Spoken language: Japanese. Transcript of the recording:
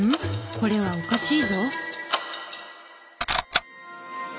これはおかしいぞ。